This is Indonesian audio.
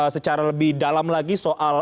secara lebih dalam lagi soal